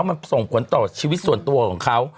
มันส่งผลต่อชีวิตส่วนตัวของเขา